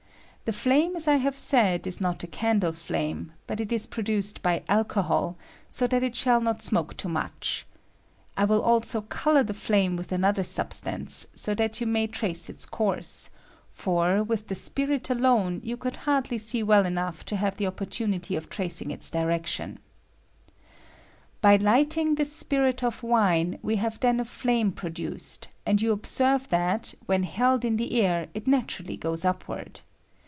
The flame, as I have said, is not a candle flame, but it is produced by alcohol, so that it shall aot smoke too much. I will also color the rikme with anotJier 8ub3tance,(') so that you may C ^^^Qot smok ^^KHame witl J ^ 34 CHANGE OF DIEECTION OP FLAME, trace ite course ; for, with the spirit alone, you could hardly see well enough to have the oppor tunity of tracing its direction. By hghting this spirit of wine we have then a flame pro duced, and jou observe that when held in the air it naturally goes upward.